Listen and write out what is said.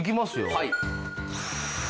はい。